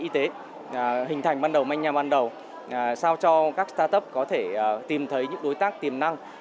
y tế hình thành ban đầu manh nham ban đầu sao cho các start up có thể tìm thấy những đối tác tiềm năng